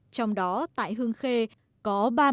trong đó tại hương khê có ba mươi bảy trường học bị ngập lũ